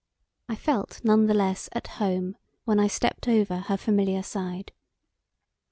I felt none the less at home when I stepped over her familiar side.